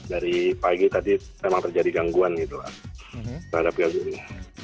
dari pagi tadi memang terjadi gangguan gitu pak terhadap kegagalan ini